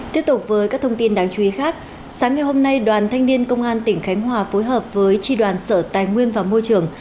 tiếp tục với các thông tin đáng chú ý khác sáng ngày hôm nay đoàn thanh niên công an tỉnh khánh hòa phối hợp với tri đoàn sở tài nguyên và môi trường